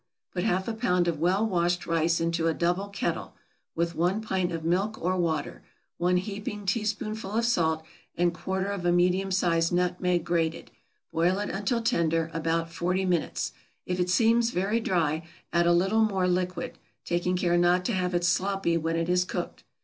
= Put half a pound of well washed rice into a double kettle, with one pint of milk or water, one heaping teaspoonful of salt, and quarter of a medium sized nutmeg grated; boil it until tender, about forty minutes; if it seems very dry add a little more liquid, taking care not to have it sloppy when it is cooked.